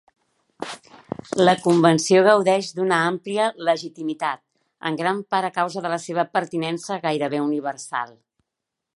La convenció gaudeix d'una àmplia legitimitat, en gran part a causa de la seva pertinença gairebé universal.